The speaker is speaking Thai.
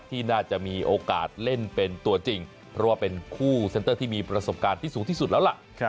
ที่น่าจะมีโอกาสเล่นเป็นตัวจริงเพราะว่าเป็นคู่เซ็นเตอร์ที่มีประสบการณ์ที่สูงที่สุดแล้วล่ะ